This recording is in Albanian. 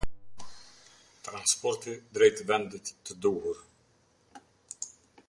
Transporti drejt vendit të duhur.